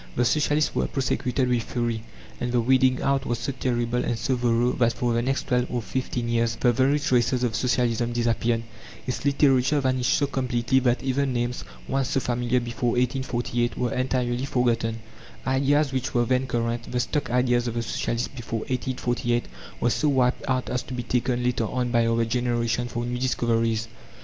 The Socialists were prosecuted with fury, and the weeding out was so terrible and so thorough that for the next twelve or fifteen years the very traces of Socialism disappeared; its literature vanished so completely that even names, once so familiar before 1848, were entirely forgotten; ideas which were then current the stock ideas of the Socialists before 1848 were so wiped out as to be taken, later on, by our generation, for new discoveries.